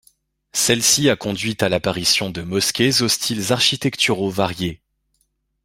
Celle-ci a conduit à l'apparition de mosquées aux styles architecturaux variés.